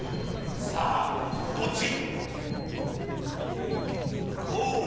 さあ、どっち？